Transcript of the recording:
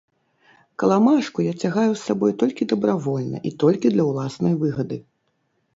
Каламажку я цягаю з сабой толькі дабравольна і толькі для ўласнай выгады.